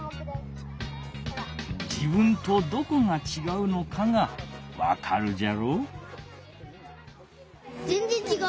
自分とどこがちがうのかがわかるじゃろ。